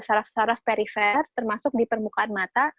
itu saraf saraf perifer termasuk di permukaan mata